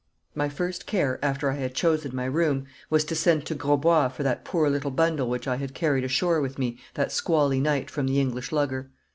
My first care after I had chosen my room was to send to Grosbois for that poor little bundle which I had carried ashore with me that squally night from the English lugger.